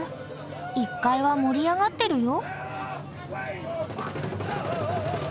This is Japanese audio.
１階は盛り上がってるよ。